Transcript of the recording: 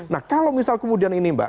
nah kalau misal kemudian ini mbak